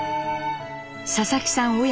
佐々木さん